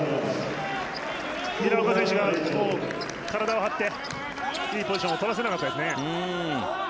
平岡選手が体を張っていいポジションを取らせなかったですね。